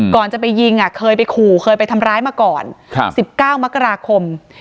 ก่อนจะไปยิงเคยไปขู่เคยไปทำร้ายมาก่อน๑๙มกราคม